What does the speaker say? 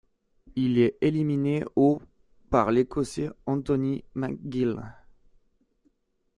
Il est éliminé au par l'Écossais Anthony McGill.